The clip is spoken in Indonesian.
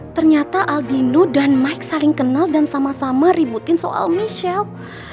ternyata aldino dan mike saling kenal dan sama sama ributin soal michelle